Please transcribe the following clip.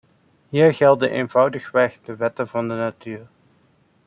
Hier gelden eenvoudigweg de wetten van de natuur.